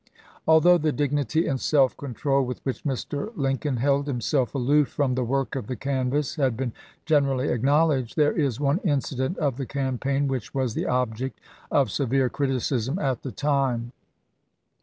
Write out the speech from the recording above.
Although the dignity and self control with which Mr. Lincoln held himself aloof from the work of the canvass has been generally acknowledged, there is one incident of the campaign which was the object of severe criticism at the time.